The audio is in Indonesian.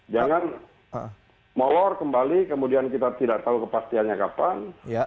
jangan molor kembali kemudian kita tidak tahu kepastiannya kapan